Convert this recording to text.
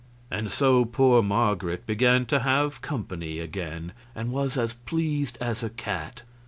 And so poor Marget began to have company again, and was as pleased as a cat.